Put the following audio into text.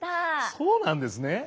そうなんですね。